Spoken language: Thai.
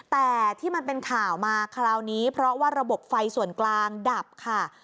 แต่ที่มันเป็นข่าวมาคราวนี้เพราะว่าระบบไฟส่วนกลางดับค่ะ